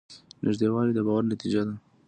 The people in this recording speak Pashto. نږدېوالی د باور نتیجه ده.